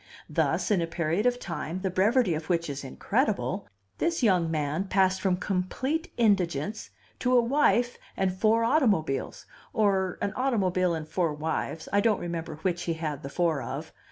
Thus, in a period of time the brevity of which is incredible, this young man passed from complete indigence to a wife and four automobiles, or an automobile and four wives I don't remember which he had the four of.